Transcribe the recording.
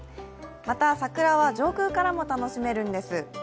また桜は上空からも楽しめるんです。